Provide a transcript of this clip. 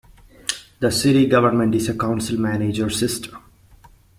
The city government is a council-manager system.